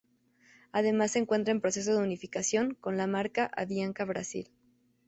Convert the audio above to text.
Además se encuentra en proceso de unificación con la marca Avianca Brasil.